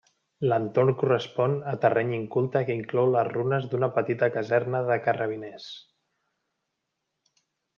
L'entorn correspon a terreny inculte que inclou les runes d'una petita caserna de carrabiners.